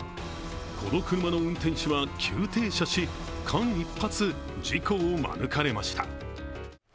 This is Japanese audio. この車の運転者は急停車し間一髪、事故を免れました。